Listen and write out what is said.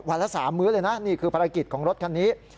ละ๓มื้อเลยนะนี่คือภารกิจของรถคันนี้